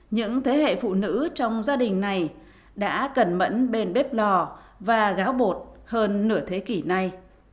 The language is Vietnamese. những thế hệ phụ nữ trong gia đình này đã cẩn mẫn bên bếp lò và gáo bột hơn nửa thế kỷ nay